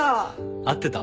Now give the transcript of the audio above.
合ってた？